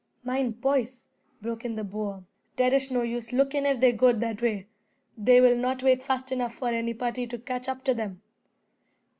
"Mine poys," broke in the boer, "dare ish no use lookin' if they goed that way. Dey will not wait fast enough for anypoddy to catch up to 'em."